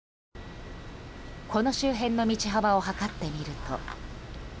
この周辺の道幅を測ってみると。